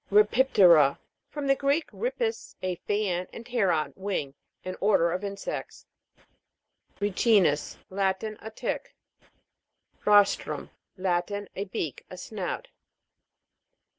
RHIPIP'TERA. From the Greek, ripis, a fan, and pteron, wing. An order of insects. RI'CINUS. Latin. A tick. ROS'TRUM. Latin. A beak, a snout.